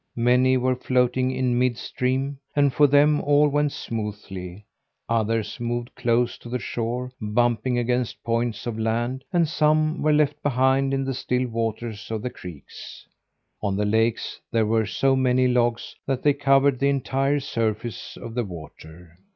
Many were floating in midstream, and for them all went smoothly; others moved close to the shore, bumping against points of land, and some were left behind in the still waters of the creeks. On the lakes there were so many logs that they covered the entire surface of the water.